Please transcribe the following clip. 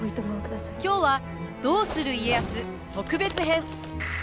今日は「どうする家康特別編」！